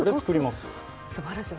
すばらしい。